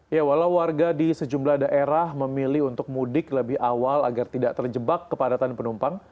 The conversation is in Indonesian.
ya walau warga di sejumlah daerah memilih untuk mudik lebih awal agar tidak terjebak kepadatan penumpang